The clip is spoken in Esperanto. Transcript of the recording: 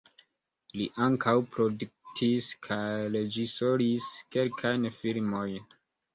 Li ankaŭ produktis kaj reĝisoris kelkajn filmojn.